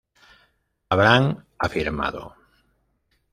habrán afirmado